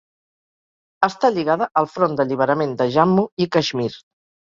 Està lligada al Front d'Alliberament de Jammu i Caixmir.